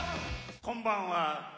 「こんばんは。